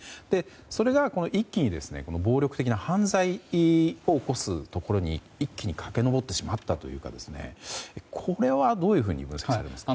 それが一気に、この暴力的な犯罪を起こすところに一気に駆け上ってしまったというかどう分析すればいいですか。